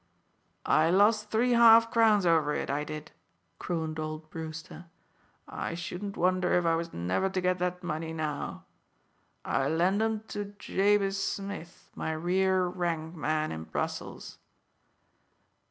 "I lost three half crowns over it, I did," crooned old Brewster. "I shouldn't wonder if I was never to get that money now. I lent 'em to Jabez Smith, my rear rank man, in Brussels.